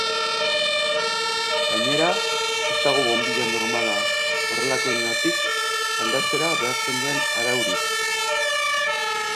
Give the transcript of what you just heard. Gainera, ez dago bonbilla normala horrelakoengatik aldatzera behartzen duen araurik.